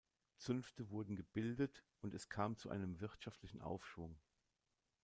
Zünfte wurden gebildet, und es kam zu einem wirtschaftlichen Aufschwung.